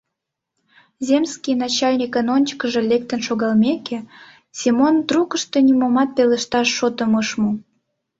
Земский начальникын ончыкыжо лектын шогалмекше, Семон трукышто нимомат пелешташ шотым ыш му.